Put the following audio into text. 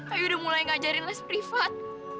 kayak udah mulai ngajarin les privat